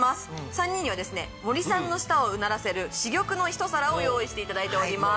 ３人には森さんの舌をうならせる珠玉の一皿を用意していただいております。